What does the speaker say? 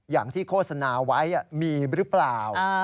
อย่างที่โฆษณาไว้มีหรือเปล่า